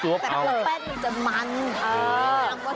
แต่ปูแป้นมันจะมันเออ